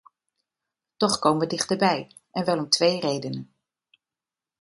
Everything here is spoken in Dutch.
Toch komen we dichter bij, en wel om twee redenen.